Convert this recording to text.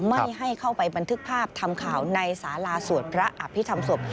ไม่ให้เข้าไปบันทึกภาพทำข่าวในสาราสวดพระอภิษฐรรมศพ